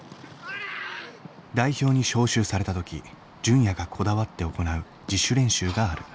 代表に招集された時純也がこだわって行う自主練習がある。